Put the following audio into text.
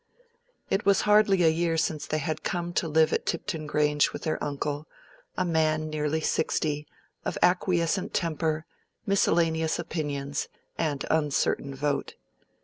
It was hardly a year since they had come to live at Tipton Grange with their uncle, a man nearly sixty, of acquiescent temper, miscellaneous opinions, and uncertain vote.